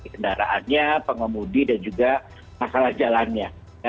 kendaraannya pengemudi dan juga masalah jalannya